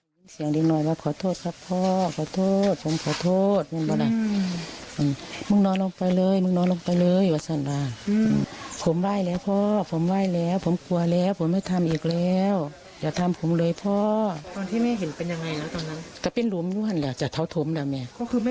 แล้วก็เห็นดินกลบพูนขึ้นมาเลยนะแม่